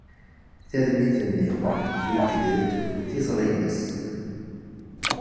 Tarmit-nni twekked-d tiẓri-nnes.